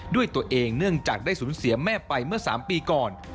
ด้วยตัวเองเนื่องจากได้สูญเสียแม่ไปเมื่อ๓ปีก่อน